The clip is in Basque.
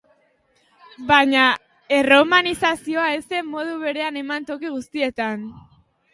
Baina erromanizazioa ez zen modu berean eman toki guztietan.